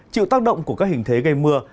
chịu tác động của các hình thế gây mưa